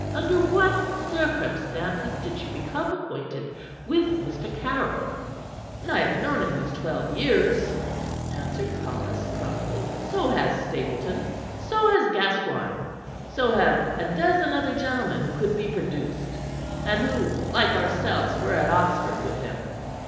Under what circumstances did you become acquainted with Mr. Caryll?" "I have known him these twelve years," answered Collis promptly; "so has Stapleton, so has Gascoigne, so have a dozen other gentlemen who could be produced, and who, like ourselves, were at Oxford with him.